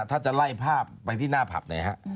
ถ้าจะไล่ภาพไปที่หน้าผับไหนฮะ